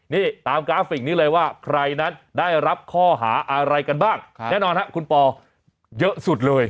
นี่ตามกราฟิกนี้เลยว่าใครนั้นได้รับข้อหาอะไรกันบ้างแน่นอนครับคุณปอเยอะสุดเลย